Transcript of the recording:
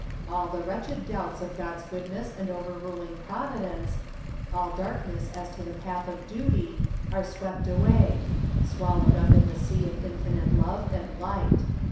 All the wretched doubts of God's goodness and overruling providence, all darkness as to the path of duty, are swept away — swallowed up in the sea of infinite love and light.